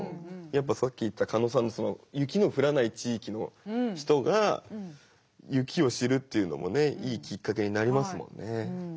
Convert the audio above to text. やっぱさっき言った加納さんの雪の降らない地域の人が雪を知るっていうのもねいいきっかけになりますもんね。